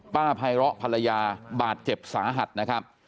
ไพร้อภรรยาบาดเจ็บสาหัสนะครับ